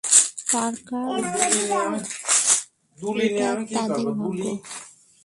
Parker, এটা তাদের ভাগ্য।